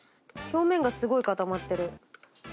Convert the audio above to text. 表面がすごい固まってる。